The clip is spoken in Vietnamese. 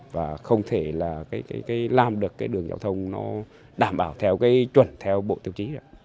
và không thể làm được đường giao thông đảm bảo theo chuẩn theo bộ tiêu chí